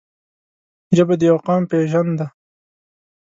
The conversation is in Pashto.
ژبه د یو قوم پېژند دی.